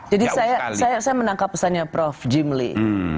jadi saya menangkap pesannya prof jim lee